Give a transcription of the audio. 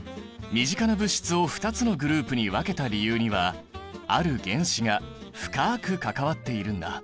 身近な物質を２つのグループに分けた理由にはある原子が深く関わっているんだ。